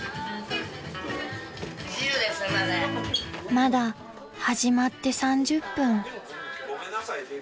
［まだ始まって３０分］